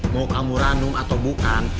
mau kamu ranum atau bukan